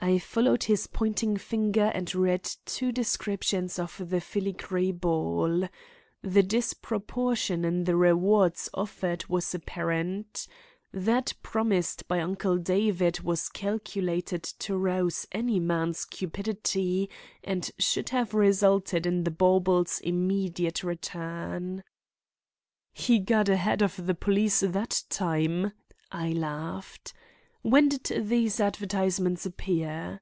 I followed his pointing finer and read two descriptions of the filigree ball. The disproportion in the rewards offered was apparent. That promised by Uncle David was calculated to rouse any man's cupidity and should have resulted in the bauble's immediate return. "He got ahead of the police that time," I laughed. "When did these advertisements appear?"